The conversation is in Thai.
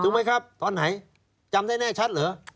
ไหมครับตอนไหนจำได้แน่ชัดเหรอ